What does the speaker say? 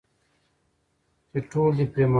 چې ټول دې پرې موافق شي.